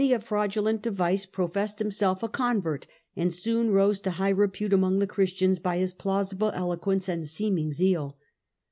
145 a fraudulent device professed himself a convert, and soon rose to high repute among the Christians by his plausible eloquence and seeming zeal.